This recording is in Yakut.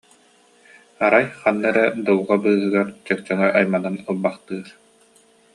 Арай ханна эрэ дулҕа быыһыгар чөкчөҥө айманан ылбахтыыр